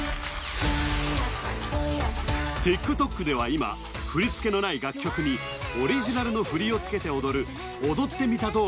ＴｉｋＴｏｋでは今振り付けのない楽曲にオリジナルの振りをつけて踊る「踊ってみた」